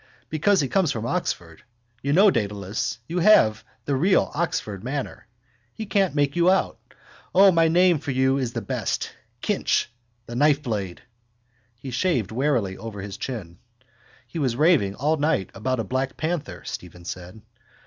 Because he comes from Oxford. You know, Dedalus, you have the real Oxford manner. He can't make you out. O, my name for you is the best: Kinch, the knife blade. He shaved warily over his chin. —He was raving all night about a black panther, Stephen said.